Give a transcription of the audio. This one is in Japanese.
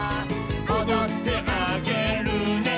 「おどってあげるね」